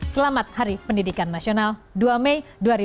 selamat hari pendidikan nasional dua mei dua ribu dua puluh